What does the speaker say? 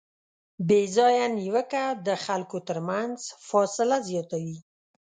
بېځایه نیوکه د خلکو ترمنځ فاصله زیاتوي.